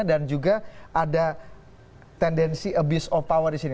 dan juga ada tendensi abuse of power disini